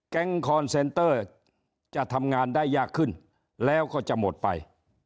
คอนเซนเตอร์จะทำงานได้ยากขึ้นแล้วก็จะหมดไป